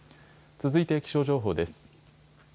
続いて気象情報です。